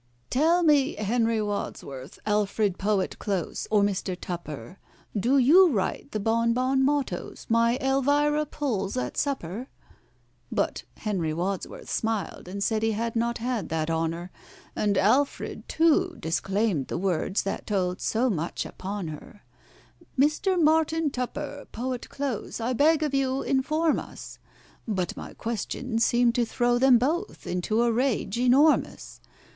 "Tell me, HENRY WADSWORTH, ALFRED POET CLOSE, or MISTER TUPPER, Do you write the bon bon mottoes my ELVIRA pulls at supper?" But HENRY WADSWORTH smiled, and said he had not had that honour; And ALFRED, too, disclaimed the words that told so much upon her. "MISTER MARTIN TUPPER, POET CLOSE, I beg of you inform us;" But my question seemed to throw them both into a rage enormous.